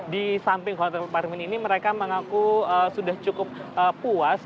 di samping hotel parmin ini mereka mengaku sudah cukup puas